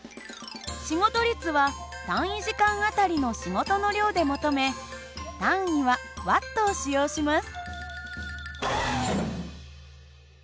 仕事率は単位時間あたりの仕事の量で求め単位はＷを使用します。